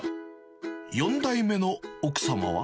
４代目の奥様は。